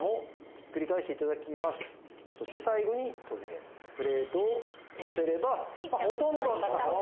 そして最後にトレープレートをのせればほとんど高さも。